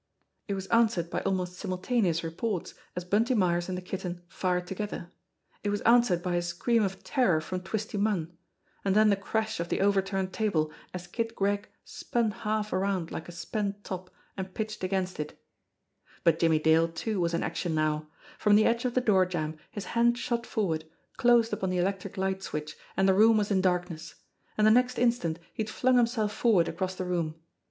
It was answered by almost simultaneous reports as Bunty Myers and the Kitten fired together ; it was answered by a scream of terror from Twisty Munn and then the crash of the overturned table as Kid Gregg spun half around like a spent top and pitched against it. But Jimmie Dale, too, was in action now. From the edge of the door jamb his hand shot forward, closed upon the 206 JIMMIE DALE AND THE PHANTOM CLUE electric light switch, and the room was in darkness. And the next instant he had flung himself forward across the room.